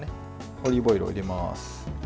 オリーブオイルを入れます。